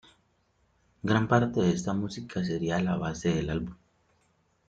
Gran parte de esta música sería la base del álbum.